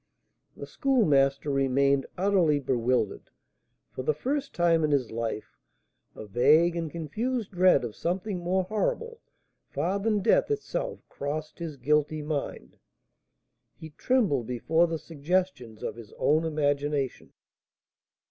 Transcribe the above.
The Schoolmaster remained utterly bewildered; for the first time in his life a vague and confused dread of something more horrible far than death itself crossed his guilty mind, he trembled before the suggestions of his own imagination.